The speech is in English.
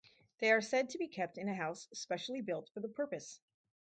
They are said to be kept in a house specially built for the purpose.